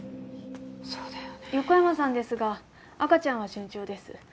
横山さんですが、赤ちゃんは順調です。